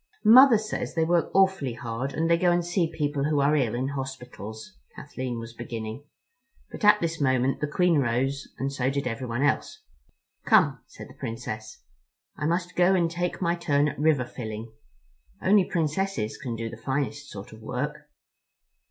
"Mother says they work awfully hard, and they go and see people who are ill in hospitals," Kathleen was beginning, but at this moment the Queen rose and so did everyone else. "Come," said the Princess, "I must go and take my turn at river filling. Only Princesses can do the finest sort of work."